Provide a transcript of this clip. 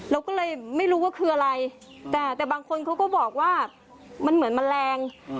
เราก็เลยไม่รู้ว่าคืออะไรแต่บางคนเขาก็บอกว่ามันเหมือนแมลง